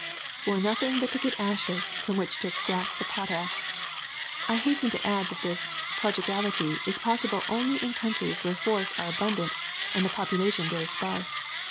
'' ^^For nothing but to get ashes from which to ex tract the potash. I hasten to add that this prodigal ity is possible only in countries where forests are abundant and the population very sparse.